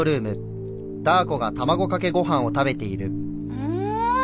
うん。